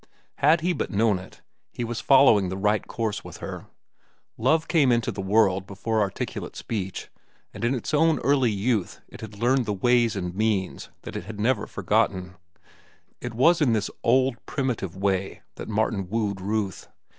Had he but known it, he was following the right course with her. Love came into the world before articulate speech, and in its own early youth it had learned ways and means that it had never forgotten. It was in this old, primitive way that Martin wooed Ruth.